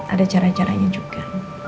ada cara caranya juga